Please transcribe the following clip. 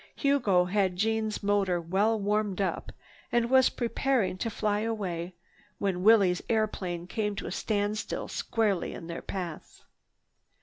Hugo had Jeanne's motor well warmed up and was preparing to fly away when Willie's airplane came to a standstill squarely in their path.